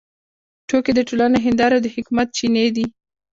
ټوکې د ټولنې هندارې او د حکمت چینې دي.